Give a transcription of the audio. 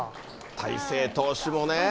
大勢投手もね。